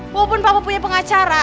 walaupun papa punya pengacara